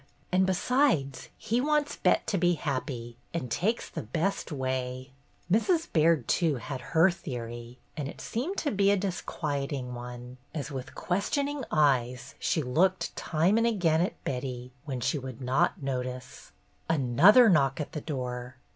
And besides, he wants Bet to be happy and takes the best way." Mrs. Baird, too, had her theory, and it seemed to be a disquieting one, as with ques tioning eyes she looked time and again at Betty when she would not notice. CHRISTMAS EVE 263 Another knock at the door.